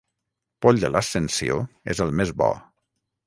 Poll de l'Ascensió és el més bo.